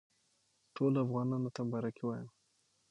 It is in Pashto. ټولو افغانانو ته مبارکي وایم.